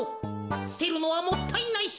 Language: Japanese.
すてるのはもったいないし。